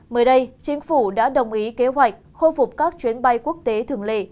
mới đây chính phủ đã đồng ý kế hoạch khôi phục các chuyến bay quốc tế thường lệ